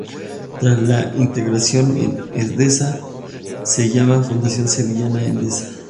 Tras la integración en Endesa, se llama Fundación Sevillana Endesa.